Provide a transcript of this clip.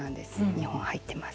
２本入ってます。